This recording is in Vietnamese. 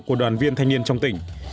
của đoàn viên thanh niên trong tỉnh